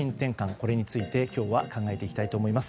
これについて今日は考えていきたいと思います。